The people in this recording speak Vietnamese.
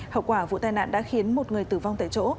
hậu quả vụ tai nạn đã khiến một người tử vong tại chỗ